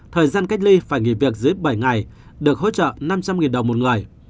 thời gian cách ly phải nghỉ việc dưới bảy ngày được hỗ trợ năm trăm linh đồng một người